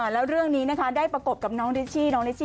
แล้วเรื่องนี้ได้ประกบกับน้องริชชิ